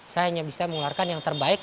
saya hanya bisa mengeluarkan yang terbaik